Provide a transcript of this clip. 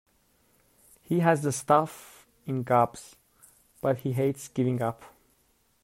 He has the stuff in gobs, but he hates giving up.